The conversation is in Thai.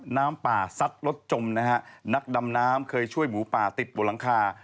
น้ำป่าซัดรถจมนะฮะนักดำน้ำเคยช่วยหมูป่าติดบนหลังคา